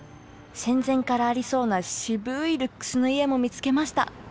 戦前からありそうな渋いルックスの家も見つけました。